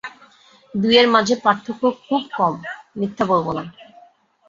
দুয়ের মাঝে পার্থক্য খুব কম, মিথ্যা বলব না।